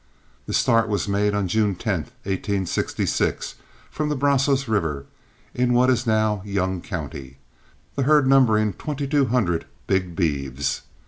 The start was made June 10, 1866, from the Brazos River, in what is now Young County, the herd numbering twenty two hundred big beeves.